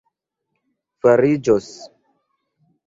fariĝos